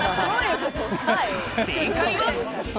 正解は。